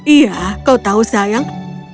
iya kau tahu sayang